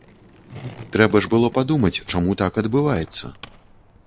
Трэба ж было падумаць, чаму так адбываецца?